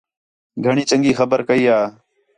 گھݨی چنڳی خبر کَئی یا